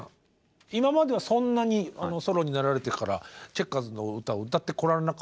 今まではそんなにソロになられてからチェッカーズの歌を歌ってこられなかったと聞いてますよ。